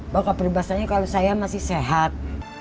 bahwa keperluan saya kalau saya masih sehat